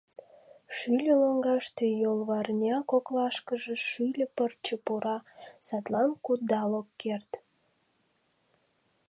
— Шӱльӧ лоҥгаште йолварня коклашкыже шӱльӧ пырче пура, садлан кудал ок керт.